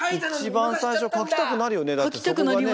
一番最初書きたくなるよねだってそこがね